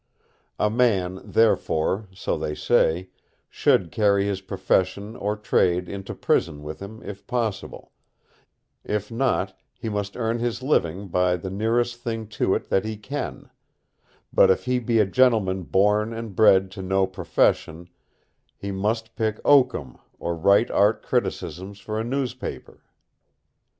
A man, therefore, (so they say) should carry his profession or trade into prison with him if possible; if not, he must earn his living by the nearest thing to it that he can; but if he be a gentleman born and bred to no profession, he must pick oakum, or write art criticisms for a newspaper.